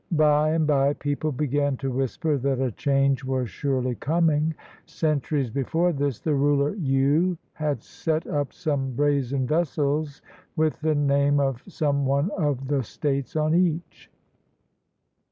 By and by people began to whisper that a change was surely coming. Centuries before this, the ruler Yu had set up some brazen vessels with the name of some one of the states on each.